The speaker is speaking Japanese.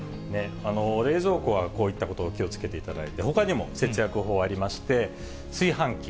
冷蔵庫はこういったことを気をつけていただいて、ほかにも節約法ありまして、炊飯器。